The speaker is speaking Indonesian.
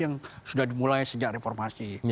yang sudah dimulai sejak reformasi